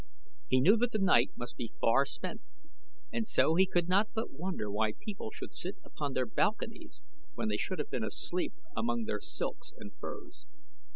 He knew that the night must be far spent; and so he could not but wonder why people should sit upon their balconies when they should have been asleep among their silks and furs.